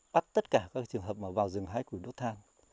bắt tất cả các trường hợp vào rừng hái củi đốt thang